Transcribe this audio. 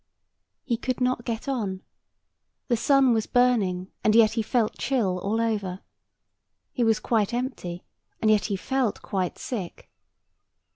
He could not get on. The sun was burning, and yet he felt chill all over. He was quite empty, and yet he felt quite sick.